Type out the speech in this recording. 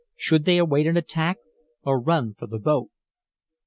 Should they await an attack or run for the boat?